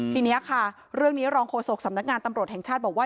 ทีนี้ค่ะเรื่องนี้รองโฆษกสำนักงานตำรวจแห่งชาติบอกว่า